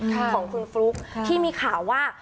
ของคุณฟลุ๊กที่มีข่าวว่า